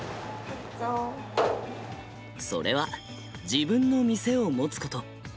それは、自分の店を持つこと。